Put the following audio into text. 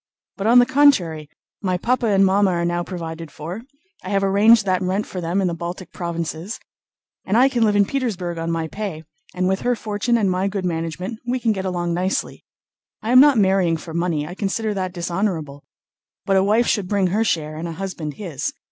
But on the contrary, my papa and mamma are now provided for—I have arranged that rent for them in the Baltic Provinces—and I can live in Petersburg on my pay, and with her fortune and my good management we can get along nicely. I am not marrying for money—I consider that dishonorable—but a wife should bring her share and a husband his.